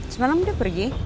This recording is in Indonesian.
semalam dia pergi